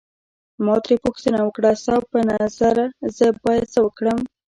ما ترې پوښتنه وکړه ستا په نظر زه باید څه وکړم.